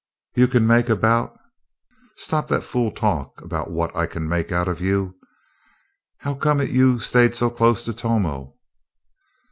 "You can make about " "Stop that fool talk about what I can make out of you. How come it you stayed so close to Tomo?